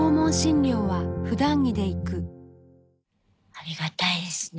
ありがたいですね。